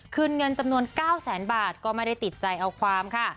เงินจำนวน๙แสนบาทก็ไม่ได้ติดใจเอาความค่ะ